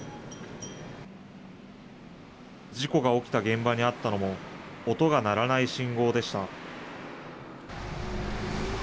事故が起きた現場にあったのも、音が鳴らない信号でした。